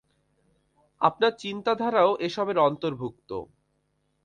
আপনার চিন্তাধারাও এসবের অন্তর্ভুক্ত।